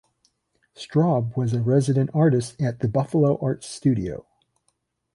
Straub was a resident artist at The Buffalo Arts Studio.